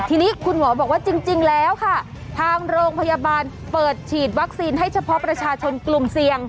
ทีนี้คุณหมอบอกว่าจริงแล้วค่ะทางโรงพยาบาลเปิดฉีดวัคซีนให้เฉพาะประชาชนกลุ่มเสี่ยง